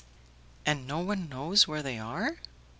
"And no one knows where they are?"